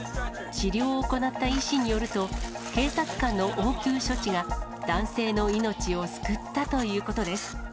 治療を行った医師によると、警察官の応急処置が男性の命を救ったということです。